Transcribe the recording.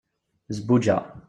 zebbuǧa